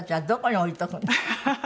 ハハハハ！